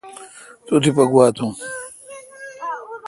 تو تیپہ گوا تھون۔